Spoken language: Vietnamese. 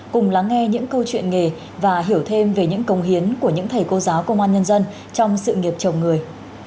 cùng lắng nghe những câu chuyện nghề và hiểu thêm về những công hiến của những thầy cô giáo công an nhân dân trong sự nghiệp chồng người